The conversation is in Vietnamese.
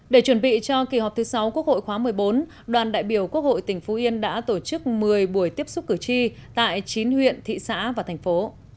để chuẩn bị cho kỳ họp thứ sáu quốc hội khóa một mươi bốn đoàn đại biểu quốc hội tỉnh phú yên đã tổ chức một mươi buổi tiếp xúc cử tri tại chín huyện thị xã và thành phố